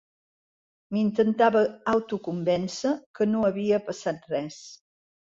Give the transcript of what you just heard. M’intentava autoconvéncer que no havia passat res.